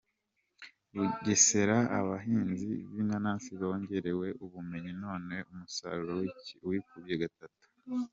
Bugesera Abahinzi b’inanasi bongererewe ubumenyi none umusaruro wikubye gatatu